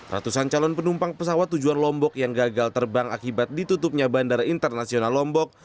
ratusan calon penumpang pesawat tujuan lombok yang gagal terbang akibat ditutupnya bandara internasional lombok